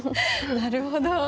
なるほど。